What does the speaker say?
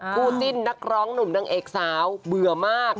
จิ้นนักร้องหนุ่มนางเอกสาวเบื่อมาก